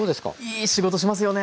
いい仕事しますよね。